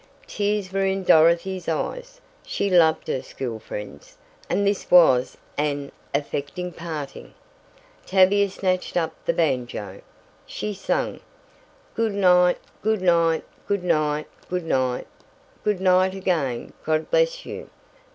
Tears were in Dorothy's eyes. She loved her school friends, and this was an affecting parting. Tavia snatched up the banjo. She sang: "Good night! Good night! Good night! Good night! Good night again; God bless you.